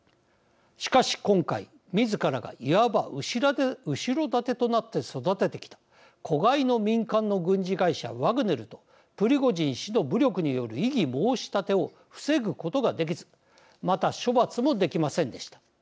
しかし、今回、みずからがいわば後ろ盾となって育ててきた子飼いの民間の軍事会社ワグネルとプリゴジン氏の武力による異議申し立てを防ぐことができずまた、処罰もできませんでした。